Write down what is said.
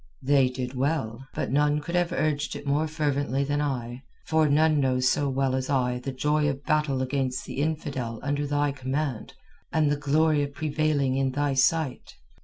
"They did well, but none could have urged it more fervently than I, for none knows so well as I the joy of battle against the infidel under thy command and the glory of prevailing in thy sight.